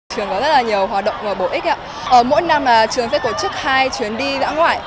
trường có rất là nhiều hoạt động bổ ích mỗi năm là trường sẽ tổ chức hai chuyến đi đã ngoại